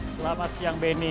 selamat siang beni